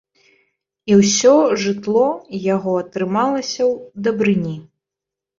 І ўсё жытло яго трымалася ў дабрыні.